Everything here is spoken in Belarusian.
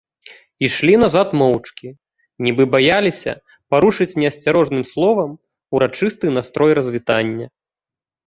Ішлі назад моўчкі, нібы баяліся парушыць неасцярожным словам урачысты настрой развітання.